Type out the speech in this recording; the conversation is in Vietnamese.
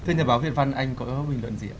thưa nhà báo viện văn anh có hứa mình luận gì ạ